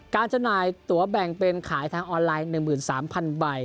จำหน่ายตัวแบ่งเป็นขายทางออนไลน์๑๓๐๐๐ใบ